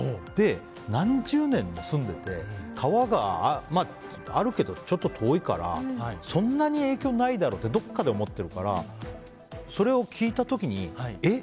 何十年も住んでいて川が、あるけどちょっと遠いからそんなに影響ないだろうってどこかで思ってるからそれを聞いた時にえ？